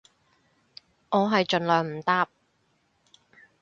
我係盡量唔搭